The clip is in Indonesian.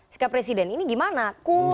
sikap presiden ini gimana cool gitu